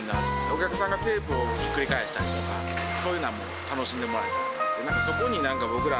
お客さんがテープをひっくり返したりとか、そういうのも楽しんでもらえたら。